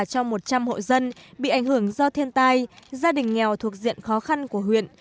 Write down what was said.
cho một trăm linh hộ dân bị ảnh hưởng do thiên tai gia đình nghèo thuộc diện khó khăn của huyện